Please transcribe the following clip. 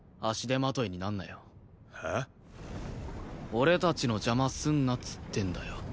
俺たちの邪魔すんなっつってんだよ。